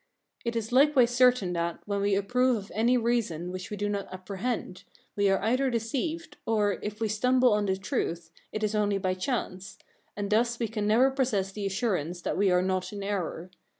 It is likewise certain that, when we approve of any reason which we do not apprehend, we are either deceived, or, if we stumble on the truth, it is only by chance, and thus we can never possess the assurance that we are not in error.